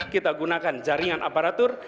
kita gunakan jaringan aparatur